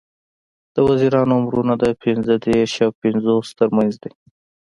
د وزیرانو عمرونه د پینځه دیرش او پینځوس تر منځ دي.